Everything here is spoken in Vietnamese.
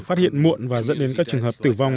phát hiện muộn và dẫn đến các trường hợp tử vong